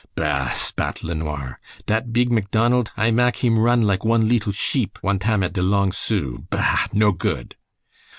"Bah!" spat LeNoir, "Dat beeg Macdonald I mak heem run like one leetle sheep, one tam at de long Sault, bah! No good!"